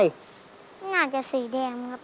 น่าจะสีแดงครับ